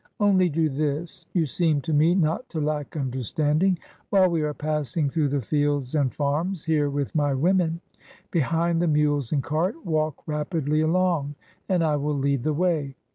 Only do this, — you seem to me not to lack understand ing: while we are passing through the fields and farms, here with my women, behind the mules and cart, walk rapidly along, and I will lead the way.